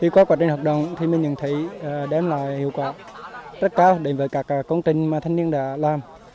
qua quá trình hợp đồng mình nhận thấy đám loại hiệu quả rất cao đối với các công trình mà thanh niên đã làm